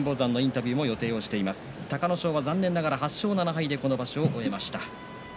隆の勝は残念ながら８勝７敗でこの場所を終えました。